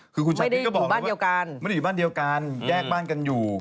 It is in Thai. พูดอย่างนี้มันก็มีฮิ้นไง